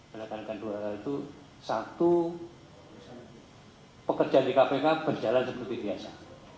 menekankan dua hal itu satu pekerjaan di kpk berjalan seperti biasa